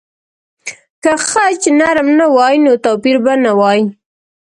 که خج نرم نه وای، نو توپیر به نه وای.